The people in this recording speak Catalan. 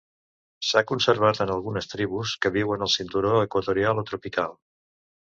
S'ha conservat en algunes tribus que viuen al cinturó equatorial o tropical.